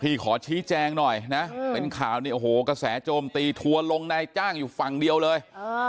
ขอชี้แจงหน่อยนะเป็นข่าวเนี่ยโอ้โหกระแสโจมตีทัวร์ลงนายจ้างอยู่ฝั่งเดียวเลย